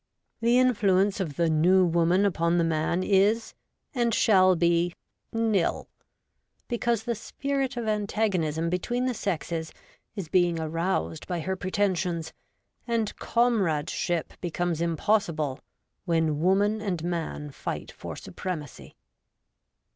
The influence of the New Woman upon the man is, and shall be, nil, because the spirit of antagonism between the sexes is being aroused by her pretensions, and comradeship be comes impossible when woman and man fight for supremacy.